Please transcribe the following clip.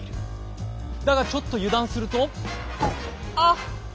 だがちょっと油断するとあっ！